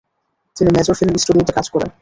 তিনি major film স্টুডিওতে কাজ করেন।